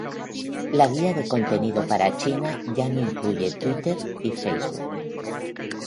La guía de contenido para China ya no incluye Twitter y Facebook.